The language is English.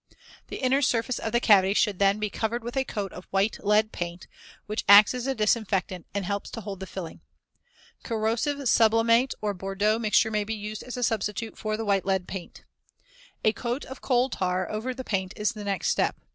The inner surface of the cavity should then be covered with a coat of white lead paint, which acts as a disinfectant and helps to hold the filling. Corrosive sublimate or Bordeaux mixture may be used as a substitute for the white lead paint. A coat of coal tar over the paint is the next step.